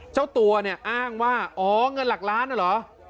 เจ้าตัวเนี่ยอ้างว่าอ๋อเงินหลักล้านน่ะเหรอ